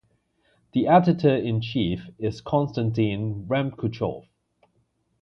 The editor in chief is Konstantin Remchukov.